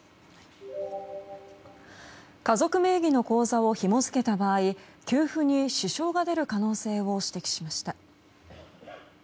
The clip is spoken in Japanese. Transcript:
家族名義の口座をひも付けた場合給付に支障が出る可能性を指摘しました。